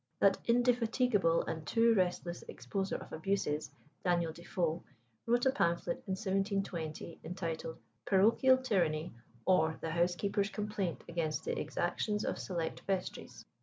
That indefatigable and too restless exposer of abuses, Daniel Defoe, wrote a pamphlet in 1720 entitled "Parochial Tyranny; or, the Housekeeper's Complaint against the Exactions of Select Vestries."